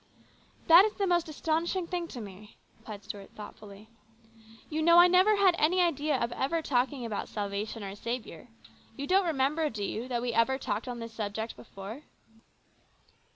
" That is the most astonishing thing to me," replied Stuart thoughtfully. " You know I never had any idea of ever talking about salvation or a Saviour. You don't remember, do you, that we ever talked on this subject before